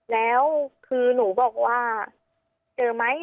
แล้วคือหนูบอกว่าเจอไหม